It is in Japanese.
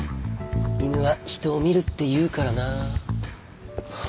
犬は人を見るって言うからな。